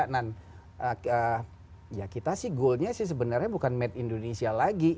nah ya kita sih goalnya sih sebenarnya bukan made indonesia lagi